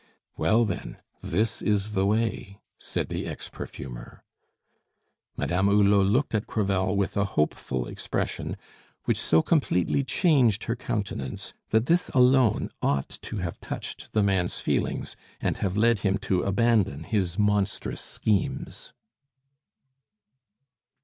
"Well, then, this is the way," said the ex perfumer. Madame Hulot looked at Crevel with a hopeful expression, which so completely changed her countenance, that this alone ought to have touched the man's feelings and have led him to abandon his monstrous schemes.